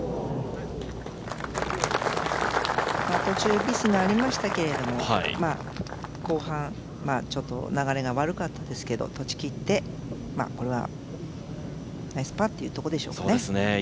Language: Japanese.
途中ミスがありましたけど後半、ちょっと流れが悪かったですけど断ち切って、これはナイスパーというところでしょうかね。